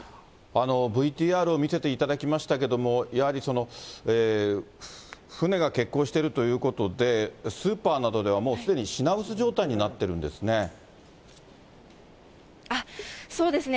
ＶＴＲを見せていただきましたけれども、やはり船が欠航してるということで、スーパーなどではもうすでに品薄状態になってるんですね。